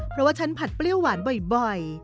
เพราะว่าฉันผัดเปรี้ยวหวานบ่อย